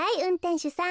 しゅさん。